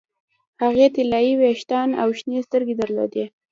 هغې طلايي ویښتان او شنې سترګې درلودې